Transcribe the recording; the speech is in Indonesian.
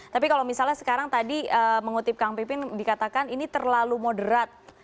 tapi kalau misalnya sekarang tadi mengutip kang pipin dikatakan ini terlalu moderat